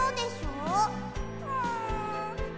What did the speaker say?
うん。